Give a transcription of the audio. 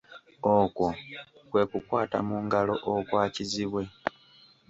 Okwo kwekukwata mu ngalo okwa kizibwe.